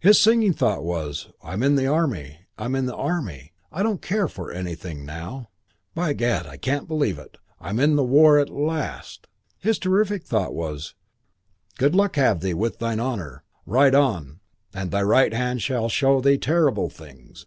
His singing thought was, "I'm in the Army! I'm in the Army! I don't care for anything now. By gad, I can't believe it. I'm in the war at last!" His terrific thought was, "Good luck have thee with thine honour; ride on ... and thy right hand shall show thee terrible things."